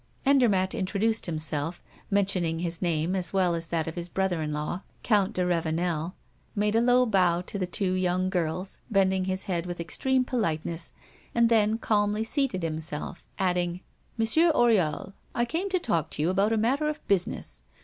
Andermatt introduced himself, mentioning his name as well as that of his brother in law, Count de Ravenel, made a low bow to the two young girls, bending his head with extreme politeness, and then calmly seated himself, adding: "Monsieur Oriol, I came to talk to you about a matter of business.